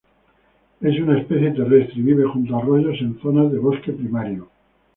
Es una especie terrestre, y vive junto a arroyos en zonas de bosque primario.